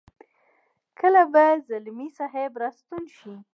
کله به ځلمی صاحب را ستون شي.